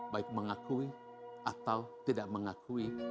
baik mengakui atau tidak mengakui